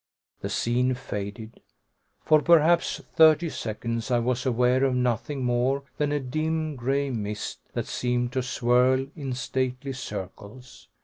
The scene faded. For perhaps thirty seconds I was aware of nothing more than a dim gray mist that seemed to swirl in stately circles.